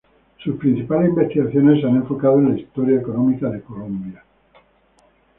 Sus principales investigaciones se han enfocado en la historia económica de Colombia.